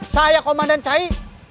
saya komandan cae